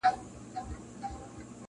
ورته اور هم پاچهي هم یې وطن سو-